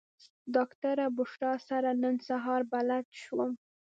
ډاکټره بشرا سره نن سهار بلد شوم.